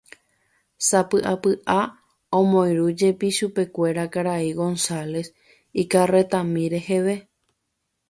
Sapy'apy'a omoirũjepi chupekuéra karai González ikarretami reheve.